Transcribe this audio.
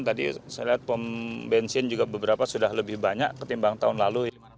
tadi saya lihat pom bensin juga beberapa sudah lebih banyak ketimbang tahun lalu